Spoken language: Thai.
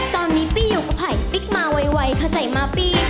ตอนนี้ปี้อยู่กับไผ่ปิ๊กมาไวผใส่มาปี้